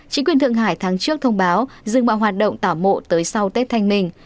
chính quyền thượng hải tháng trước thông báo dừng bạo hoạt động tả mộ tới sau tết thanh minh